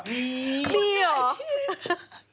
มีอ่ะ